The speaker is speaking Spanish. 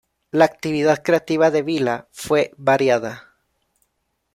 La actividad creativa de Vila fue variada.